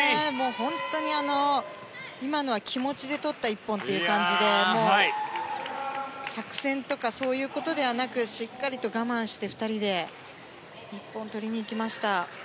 本当に今のは気持ちでとった一本という感じで作戦とか、そういうことではなくしっかりと我慢して２人で一本を取りにいきました。